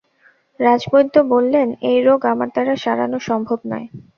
রাজবৈদ্য বললেন এই রোগ আমার দ্বারা সারানো সম্ভব নয়।